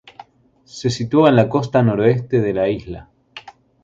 Se sitúa en la costa noroeste de la isla.